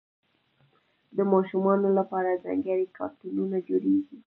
د ماشومانو لپاره ځانګړي کارتونونه جوړېږي.